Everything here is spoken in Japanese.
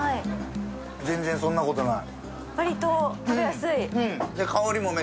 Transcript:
全然そんなことない。